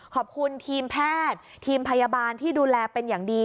ขอบคุณทีมแพทย์ทีมพยาบาลที่ดูแลเป็นอย่างดี